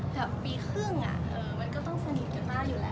แต่ปีครึ่งมันก็ต้องสนิทกันมากอยู่แล้ว